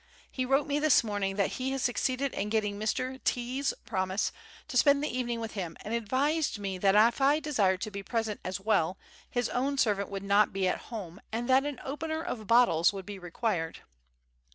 He wrote me this morning that he had succeeded in getting Mr. T 's promise to spend the evening with him, and advised me that if I desired to be present as well, his own servant would not be at home, and that an opener of bottles would be required.